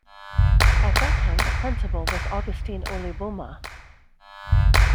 At that time the principal was Augustine Olibuma.